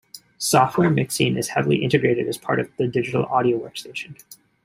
Software mixing is heavily integrated as part of a digital audio workstation.